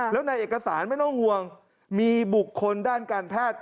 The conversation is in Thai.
แล้วในเอกสารไม่ต้องห่วงมีบุคคลด้านการแพทย์